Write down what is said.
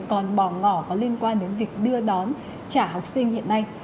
các quy định còn bỏ ngỏ có liên quan đến việc đưa đón trả học sinh hiện nay